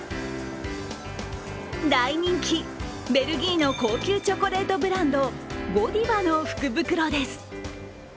大人気、ベルギーの高級チョコレートブランド、ゴディバの福袋です。